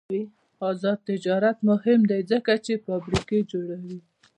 آزاد تجارت مهم دی ځکه چې فابریکې جوړوي.